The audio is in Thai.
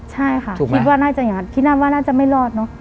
ใช่ค่ะคิดว่าน่าจะอย่างนั้นคิดว่าน่าจะไม่รอดเนอะ